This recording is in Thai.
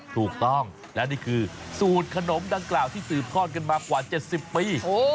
ถูกต้องและนี่คือสูตรขนมดังกล่าวที่สืบทอดกันมากว่า๗๐ปี